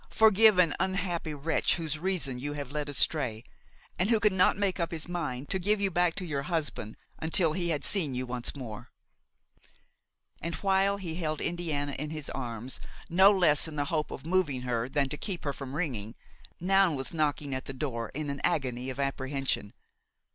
forgive an unhappy wretch whose reason you have led astray, and who could not make up his mind to give you back to your husband until he had seen you once more." And while he held Indiana in his arms, no less in the hope of moving her than to keep her from ringing, Noun was knocking at the door in an agony of apprehension.